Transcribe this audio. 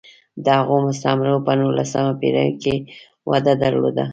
د هغو مستعمرو په نولسمه پېړۍ کې وده درلوده.